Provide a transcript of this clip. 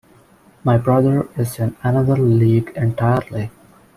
My brother is in another league entirely.